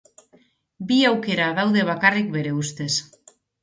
Bi aukera daude bakarrik bere ustez.